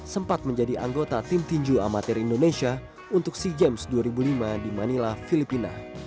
sempat menjadi anggota tim tinju amatir indonesia untuk sea games dua ribu lima di manila filipina